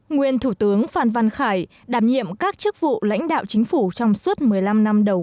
nguyên thủ tướng phan văn khải đảm nhiệm các chức vụ lãnh đạo chính phủ trong suốt một mươi năm năm